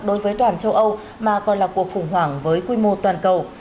đối với toàn châu âu mà còn là cuộc khủng hoảng với quy mô toàn cầu